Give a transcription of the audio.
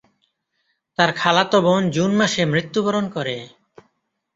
তার খালাতো বোন জুন মাসে মৃত্যুবরণ করে।